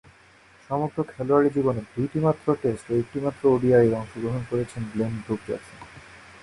সমগ্র খেলোয়াড়ী জীবনে দুইটিমাত্র টেস্ট ও একটিমাত্র ওডিআইয়ে অংশগ্রহণ করেছেন গ্লেন ব্রুক-জ্যাকসন।